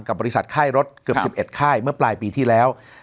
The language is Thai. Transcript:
บริษัทค่ายรถเกือบ๑๑ค่ายเมื่อปลายปีที่แล้ว